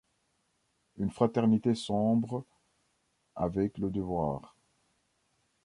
Une fraternité sombre avec le devoir ;